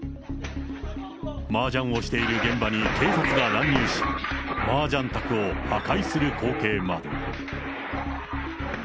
マージャンをしている現場に警察が乱入し、マージャン卓を破壊する光景まで。